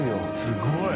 すごい。